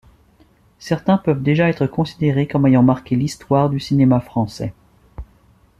Certains peuvent déjà être considérés comme ayant marqué l'Histoire du cinéma français.